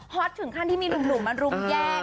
ตถึงขั้นที่มีหนุ่มมารุมแย่ง